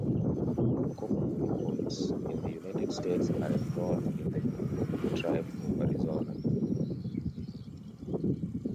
Cocopah peoples in the United States are enrolled in the Cocopah Tribe of Arizona.